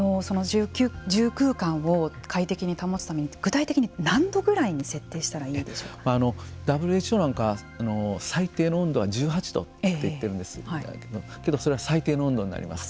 住空間を快適に保つために具体的に何度ぐらいにＷＨＯなんか最低の温度は１８度と言ってるんですけどけどそれは最低の温度になります。